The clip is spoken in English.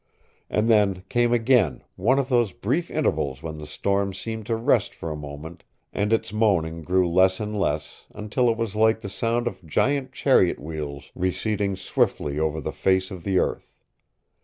And then came again one of those brief intervals when the storm seemed to rest for a moment, and its moaning grew less and less, until it was like the sound of giant chariot wheels receding swiftly over the face of the earth.